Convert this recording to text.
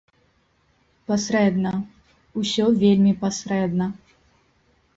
Пасрэдна, усё вельмі пасрэдна.